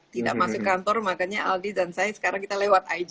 tidak masuk kantor makanya aldi dan saya sekarang kita lewat id